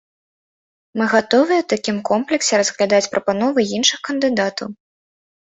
Мы гатовыя ў такім комплексе разглядаць прапановы іншых кандыдатаў.